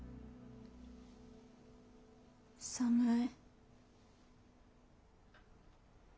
寒い。